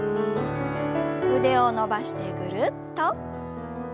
腕を伸ばしてぐるっと。